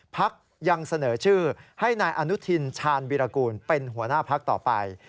พักยังเสนอชื่อให้นายอนุทินชาญวิรากูลเป็นหัวหน้าพักต่อไป